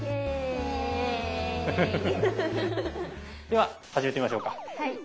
では始めてみましょうか。